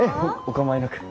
お構いなく。